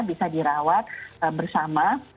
bisa dirawat bersama